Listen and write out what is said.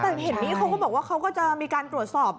แต่เห็นนี้เขาก็บอกว่าเขาก็จะมีการตรวจสอบ